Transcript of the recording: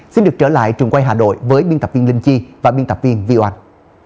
xin được trở lại trường quay hà nội với biên tập viên linh chi và biên tập viên vio anh